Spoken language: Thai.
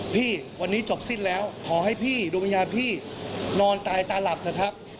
พี่วันนี้จบสิ้นแล้วขอให้พี่ดวงวิญญาณพี่นอนตายตาหลับเถอะครับ